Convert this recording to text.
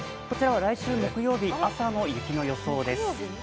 こちらは来週の木曜日、朝の雪の予想です。